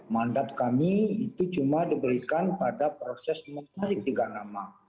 mandat kami itu cuma diberikan pada proses mencari tiga nama